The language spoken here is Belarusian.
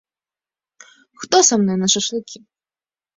Хто са мной на шашлыкі?